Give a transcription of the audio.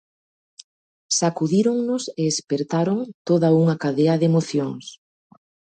Sacudíronnos e espertaron toda unha cadea de emocións.